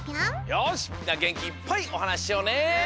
よしみんなげんきいっぱいおはなししようね！